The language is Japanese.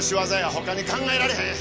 他に考えられへん！